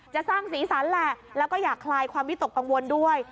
สร้างสีสันแหละแล้วก็อยากคลายความวิตกกังวลด้วย